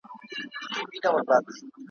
په غضب یې کړه ور ږغ چي ژر سه څه کړې ,